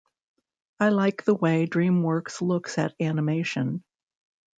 I like the way DreamWorks looks at animation.